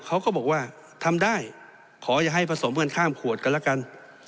เขาก็บอกว่าทำได้ขออย่าให้ผสมกันข้ามขวดกันแล้วกัน